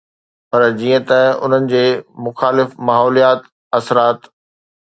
پر جيئن ته انهن جي مخالف ماحوليات اثرات